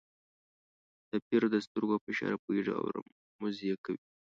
د پیر د سترګو په اشاره پوهېږي او رموز یې کوي.